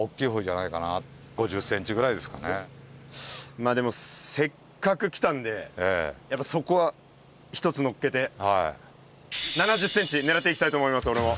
まあでもせっかく来たんでやっぱそこは１つのっけて７０ｃｍ狙っていきたいと思います俺も。